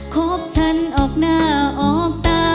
คบฉันออกหน้าออกตา